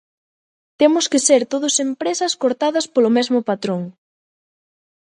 Temos que ser todos empresas cortadas polo mesmo patrón.